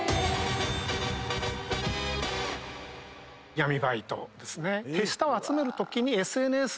闇バイトですね。